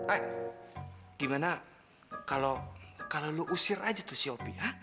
eh gimana kalau kalau lo usir aja tuh si opie ya